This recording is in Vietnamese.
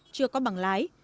chưa có bằng lái